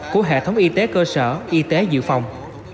của hệ thống y tế cơ sở y tế dự phòng